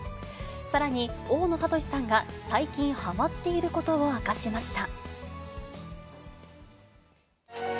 さらに、大野智さんが、最近ハマっていることを明かしました。